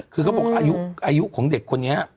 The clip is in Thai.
คือเขาบอกอายุของเด็กคนนี้